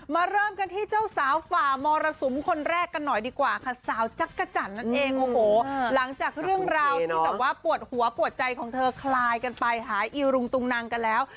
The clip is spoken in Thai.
เริ่มกันที่เจ้าสาวฝ่ามรสุมคนแรกกันหน่อยดีกว่าค่ะสาวจักรจันทร์นั่นเองโอ้โหหลังจากเรื่องราวที่แบบว่าปวดหัวปวดใจของเธอคลายกันไปหาอีรุงตุงนังกันแล้ว